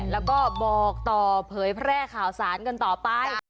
แล้วก็บอกต่อเผยแพร่ข่าวสารกันต่อไป